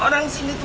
polisi katakan tuh